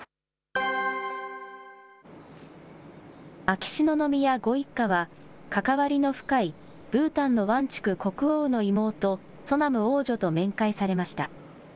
秋篠宮ご一家は関わりの深いブータンのワンチュク国王の妹、ソナム王女と面会されました。